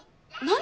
何？